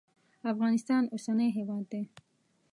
افغانستان اوسنی هیواد دی.